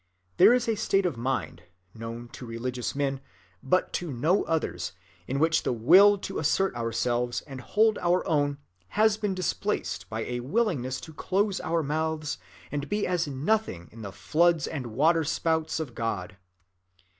There is a state of mind, known to religious men, but to no others, in which the will to assert ourselves and hold our own has been displaced by a willingness to close our mouths and be as nothing in the floods and waterspouts of God.